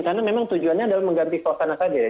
karena memang tujuannya adalah mengganti suasana saja ya